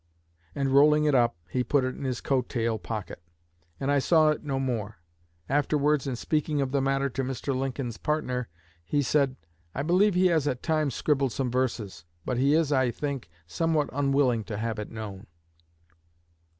and rolling it up, he put it in his coat tail pocket; and I saw it no more. Afterwards, in speaking of the matter to Mr. Lincoln's partner, he said, 'I believe he has at times scribbled some verses; but he is, I think, somewhat unwilling to have it known.'"